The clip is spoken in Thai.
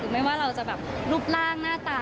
ไม่ว่าเราจะแบบรูปร่างหน้าตา